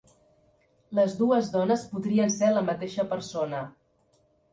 Les dues dones podrien ser la mateixa persona.